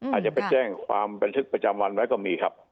อาจจะไปแจ้งความบันทึกประจำวันไว้ก็มีครับ